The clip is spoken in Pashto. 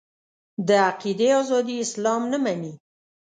د عقیدې ازادي اسلام نه مني.